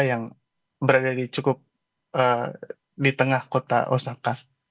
yang berada cukup di tengah kota osaka